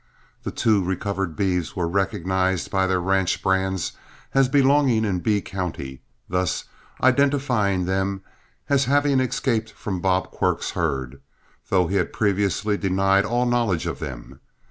The two recovered beeves were recognized by their ranch brands as belonging in Bee County, thus identifying them as having escaped from Bob Quirk's herd, though he had previously denied all knowledge of them.